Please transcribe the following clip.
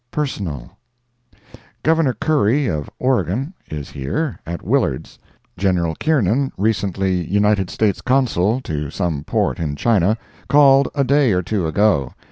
Personal. Governor Curry, of Oregon, is here, at Willard's. General Kiernan, recently United States Consul to some port in China, called a day or two ago.